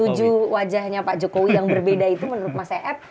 tujuh wajahnya pak jokowi yang berbeda itu menurut mas ed